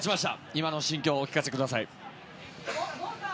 今の心境をお聞かせください。